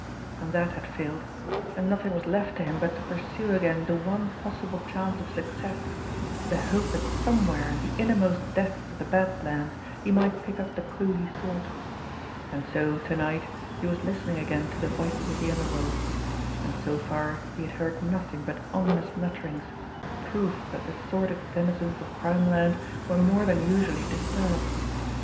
And that had failed, and nothing was left to him but to pursue again the one possible chance of success, the hope that somewhere in the innermost depths of the Bad Lands he might pick up the clue he sought. And so, to night, he was listening again to the voices of the underworld and so far he had heard nothing but ominous mutterings, proof that the sordid denizens of crimeland were more than usually disturbed.